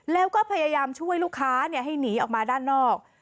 แล้วก็พยายามช่วยลูกค้าให้หนีออกมาด้านนอก